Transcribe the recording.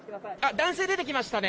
男性、出てきましたね。